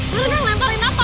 mereka ngelemparin apa